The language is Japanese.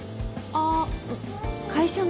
あ会社の。